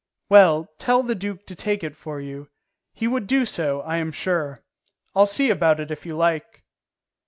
"Well, tell the duke to take it for you; he would do so, I am sure. I'll see about it if you like."